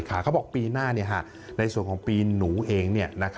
เขาบอกปีหน้าในส่วนของปีหนูเอง